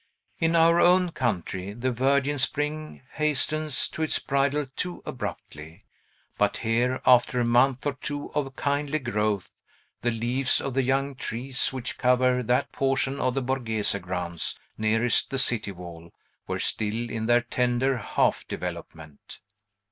In our own country, the virgin Spring hastens to its bridal too abruptly. But here, after a month or two of kindly growth, the leaves of the young trees, which cover that portion of the Borghese grounds nearest the city wall, were still in their tender half development.